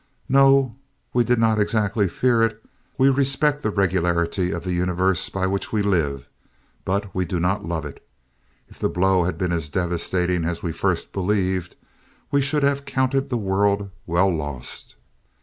No, we did not exactly fear it. We respect the regularity of the universe by which we live, but we do not love it. If the blow had been as devastating as we first believed, we should have counted the world well lost.